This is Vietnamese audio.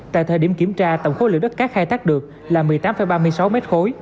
tại thời điểm kiểm tra tổng khối lượng đất cát khai thác được là một mươi tám ba mươi sáu mét khối